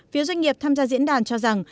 phía doanh nghiệp tham gia diễn đàn cho rằng